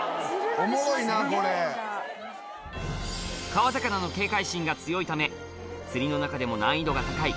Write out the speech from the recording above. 川魚の警戒心が強いため釣りの中でも難易度が高い